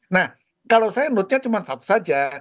nah kalau saya menurutnya cuma satu saja